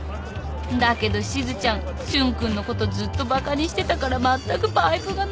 だけどしずちゃん俊君のことずっとバカにしてたからまったくパイプがない。